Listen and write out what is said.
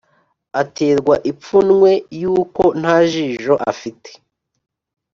Aterwa ipfunwe yuko ntajijo afite